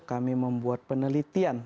kami membuat penelitian